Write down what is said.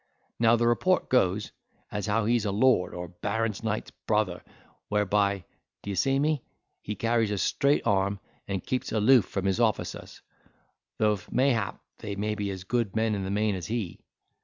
Now the report goes, as how he's a lord, or baron knight's brother, whereby (d'ye see me,) he carries a straight arm, and keeps aloof from his officers, though mayhap they may be as good men in the main as he.